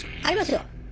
ありますよ。